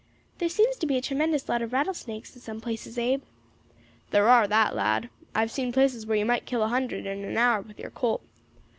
"There seems to be a tremendous lot of rattlesnakes in some places, Abe." "Thar are that, lad; I have seen places where you might kill a hundred in an hour with your Colt.